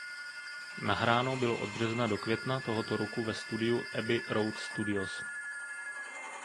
Nahráno bylo od března do května toho roku ve studiu Abbey Road Studios.